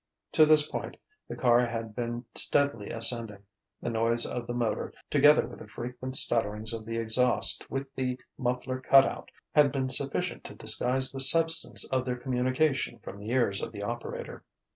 To this point the car had been steadily ascending; the noise of the motor, together with the frequent stutterings of the exhaust with the muffler cut out, had been sufficient to disguise the substance of their communication from the ears of the operator.